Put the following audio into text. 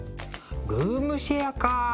ルームシェアか。